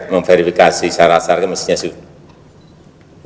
memverifikasi secara asal ini mestinya sudah